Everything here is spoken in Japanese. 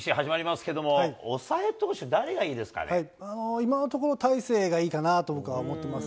今のところ、大勢がいいかなと思ってます。